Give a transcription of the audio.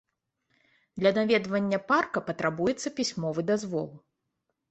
Для наведвання парка патрабуецца пісьмовы дазвол.